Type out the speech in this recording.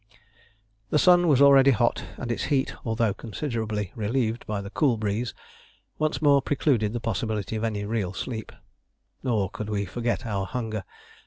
The sun was already hot, and its heat, although considerably relieved by the cool breeze, once more precluded the possibility of any real sleep. Nor could we forget our hunger.